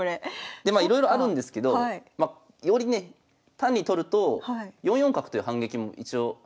でまあいろいろあるんですけどまよりね単に取ると４四角という反撃も一応あるんで。